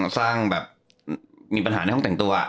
สร้างแบบมีปัญหาในห้องแต่งตัว